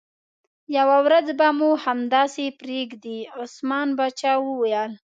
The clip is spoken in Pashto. یوه ورځ به مو همداسې پرېږدي، عثمان باچا وویل.